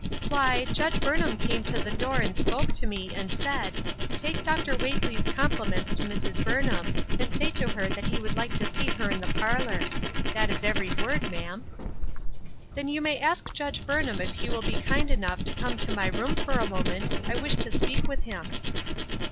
" Why, Judge Burnham came to the door and spoke to me, and said : 'Take Dr. Whately's com pliments to Mrs. Burnham, and say to her that he would like to see her in the parlor. ' That is every word, ma'am." " Then you may ask Judge Burnham if he will be kind enough to come to my room for a moment, I wish to speak with him."